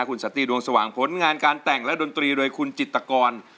คุณสันตีดวงสว่างผลงานการแต่งและดนตรีโดยคุณจิตกร